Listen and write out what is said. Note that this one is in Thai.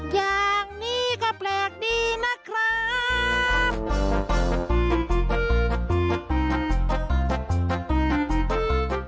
อย่างนี้ก็แปลกดีนะครับ